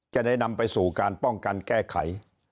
จะได้นำไปสู่การป้องกันแก้ไข